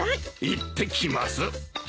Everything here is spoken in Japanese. いってきます。